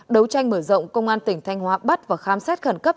đấu tranh mở rộng công an tỉnh thanh hóa bắt và khám xét khẩn cấp